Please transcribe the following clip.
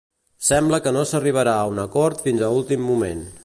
Sembla que no s'arribarà a un acord fins a últim moment.